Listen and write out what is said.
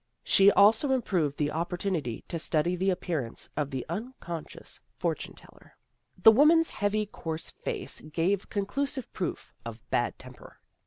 She also improved the opportunity to study the appearance of the unconscious fortune teller. The woman's heavy, coarse face gave AMY IS DISILLUSIONED 311 conclusive proof of bad temper.